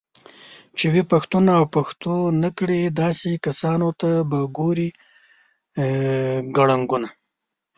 چې وي پښتون اوپښتونكړي داسې كسانوته به ګورې كړنګونه